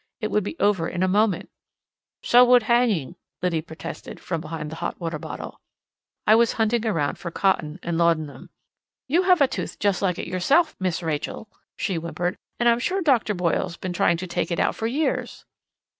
It would be over in a moment." "So would hanging," Liddy protested, from behind the hot water bottle. I was hunting around for cotton and laudanum. "You have a tooth just like it yourself, Miss Rachel," she whimpered. "And I'm sure Doctor Boyle's been trying to take it out for years."